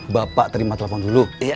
bapak terima telepon dulu